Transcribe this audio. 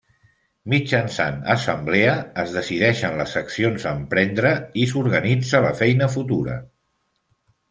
Mitjançant assemblea es decideixen les accions a emprendre i s'organitza la feina futura.